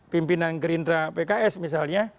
pimpinan gerindra pks misalnya